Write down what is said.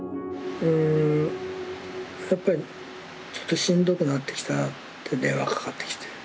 やっぱりちょっとしんどくなってきたって電話かかってきて。